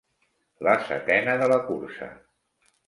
La setena de la cursa.